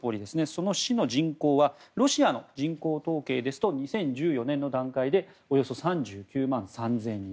その市の人口はロシアの人口統計ですと２０１４年の段階でおよそ３９万３０００人。